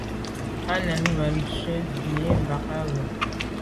À bə α̂ wə Yə̂n mɛ̀n nî bə α̂ wə.